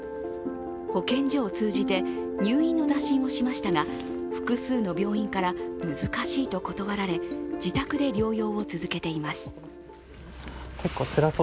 保健所を通じて入院の打診をしましたが複数の病院から難しいと断られ、自宅で療養を続けています。